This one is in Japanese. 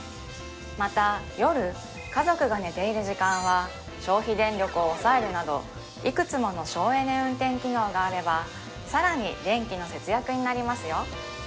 また夜家族が寝ている時間は消費電力を抑えるなどいくつもの省エネ運転機能があればさらに電気の節約になりますよ